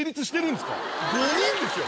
５人ですよ？